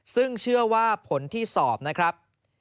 ซึ่งเชื่อว่าผลที่สอบนะครับ